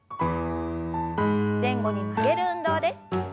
前後に曲げる運動です。